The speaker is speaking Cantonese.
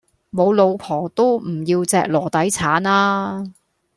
無老婆都唔要隻籮底橙呀